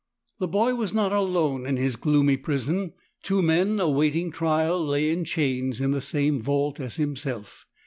The boy was not alone in his gloomy prison. Two men awaiting trial lay in chains in the same vault as himself.